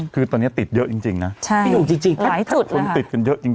คือตอนเนี้ยติดเยอะจริงจริงนะใช่จริงจริงหลายจุดติดกันเยอะจริงจริง